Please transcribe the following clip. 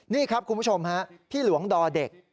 นี่ครับคุณผู้ชมฮะพี่หลวงดอเด็ก